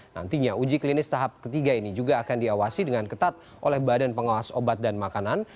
nantinya uji klinis tahap ketiga ini juga akan diawasi dengan ketat oleh badan pengawas obat dan makanan